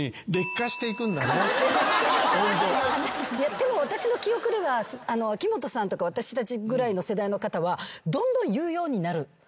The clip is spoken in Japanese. でも私の記憶では秋元さんとか私たちぐらいの世代の方はどんどん言うようになる。